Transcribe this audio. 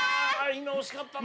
今惜しかったな。